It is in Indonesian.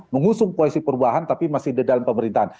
mengusung koalisi perubahan tapi masih di dalam pemerintahan